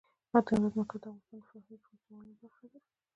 د هېواد مرکز د افغانستان د فرهنګي فستیوالونو برخه ده.